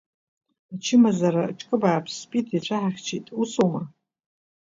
Ачымазара аҿкы бааԥс спид иацәаҳахьчеит, усоума?